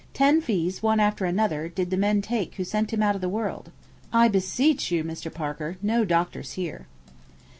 Ten fees, one after another, did the men take who sent him out of the world. I beseech you, Mr. Parker, no doctors here.'